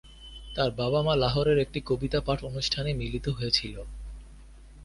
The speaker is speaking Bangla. তার বাবা-মা লাহোরের একটি কবিতা পাঠ অনুষ্ঠানে মিলিত হয়েছিল।